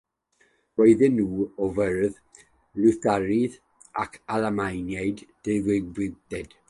Roedden nhw o'r ffydd Lutheraidd ac Almaenaidd ddiwygiedig.